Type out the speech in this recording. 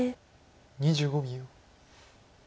２５秒。